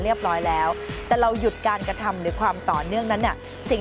เรียบร้อยแล้วแต่เราหยุดการกระทำหรือความต่อเนื่องนั้นเนี่ยสิ่ง